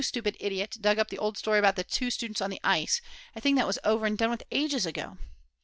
That stupid idiot dug up the old story about the two students on the ice, a thing that was over and done with ages ago.